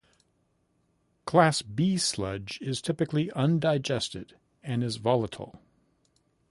Class B sludge is typically "undigested" and is volatile.